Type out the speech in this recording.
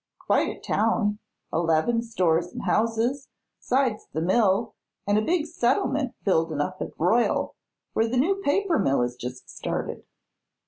"Quite a town. Eleven stores an' houses, 'sides the mill an' a big settlement buildin' up at Royal, where the new paper mill is jest started.